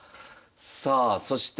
さあそして。